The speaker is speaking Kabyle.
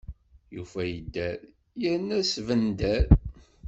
Yufa yedder, yerna asbender.